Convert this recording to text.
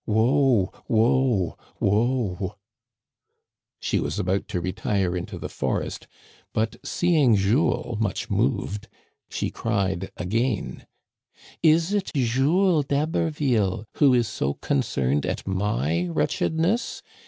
Woe ! Woe ! Woe !" She was about to retire into the forest, but seeing Jules much moved, she cried again :" Is it Jules d'Haberville who is so concerned at my wretchedness